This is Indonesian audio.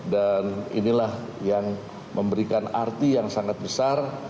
dan inilah yang memberikan arti yang sangat besar